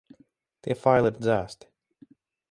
Tie faili ir dzēsti.